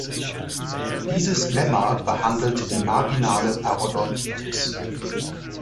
Dieses Lemma behandelt die marginale Parodontitis.